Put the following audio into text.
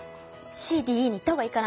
Ｃ・Ｄ・Ｅに言った方がいいかな。